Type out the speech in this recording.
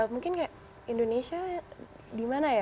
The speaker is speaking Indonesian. mungkin kayak indonesia di mana ya